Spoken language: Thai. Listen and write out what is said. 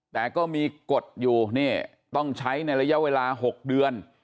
แต่ก็มีกฎอยู่นี่ต้องใช้ในระยะเวลา๖เดือน